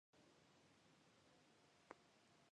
کیهان کونه غواړې.فرحان یی نه ورکوې